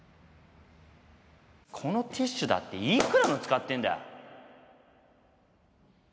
このティッシュだっていくらの使ってんだよ！？